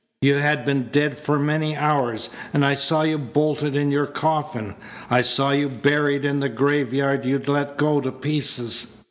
You had been dead for many hours. And I saw you bolted in your coffin. I saw you buried in the graveyard you'd let go to pieces."